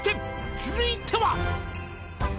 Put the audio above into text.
「続いては」